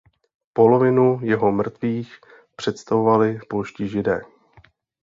Polovinu jeho mrtvých představovali polští Židé.